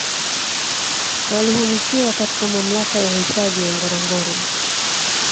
Walihamishiwa katika Mamlaka ya hifadhi ya Ngorongoro